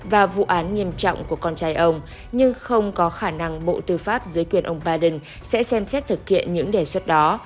và vụ án nghiêm trọng của con trai ông nhưng không có khả năng bộ tư pháp dưới quyền ông biden sẽ xem xét thực hiện những đề xuất đó